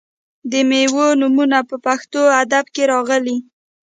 د میوو نومونه په پښتو ادب کې راغلي.